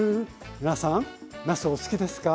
皆さんなすお好きですか？